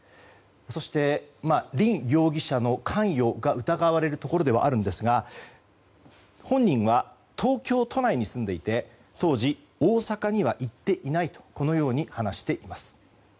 そして、凜容疑者の関与が疑われるところではあるんですが本人は東京都内に住んでいて当時、大阪には行っていないと話しています。